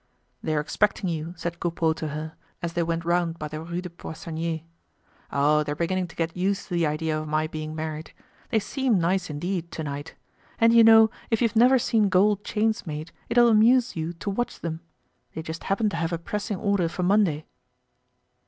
"They're expecting you," said Coupeau to her, as they went round by the Rue des Poissonniers. "Oh! they're beginning to get used to the idea of my being married. They seem nice indeed, to night. And you know if you've never seen gold chains made, it'll amuse you to watch them. They just happen to have a pressing order for Monday."